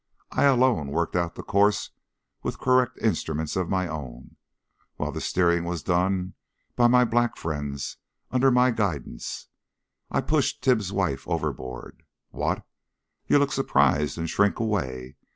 I alone worked out the course with correct instruments of my own, while the steering was done by my black friends under my guidance. I pushed Tibbs's wife overboard. What! You look surprised and shrink away.